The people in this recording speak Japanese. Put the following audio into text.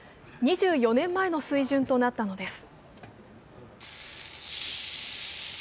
２４年前の水準となったのです。